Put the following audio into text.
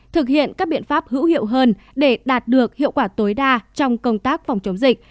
thực hiện các biện pháp hữu hiệu hơn để đạt được hiệu quả tối đa trong công tác phòng chống dịch